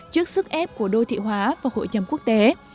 trước sức ép của đô thị hóa và hội chầm quốc tế